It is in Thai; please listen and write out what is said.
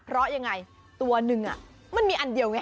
เพราะตัวนึงอ่ะมันมีอันเดียวไง